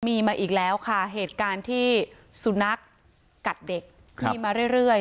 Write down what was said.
มีมาอีกแล้วค่ะเหตุการณ์ที่สุนัขกัดเด็กมีมาเรื่อย